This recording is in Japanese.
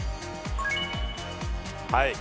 はい。